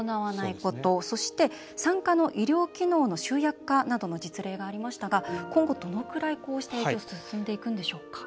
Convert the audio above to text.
そして、産科の医療機能の集約化などの実例がありましたが今後どのぐらい、こうした影響進んでいくんでしょうか？